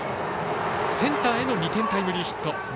センターへの２点タイムリーヒット。